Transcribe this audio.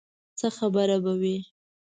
څه خبره به وي.